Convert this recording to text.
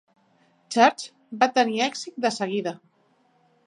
"Church" va tenir èxit de seguida.